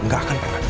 gak akan pernah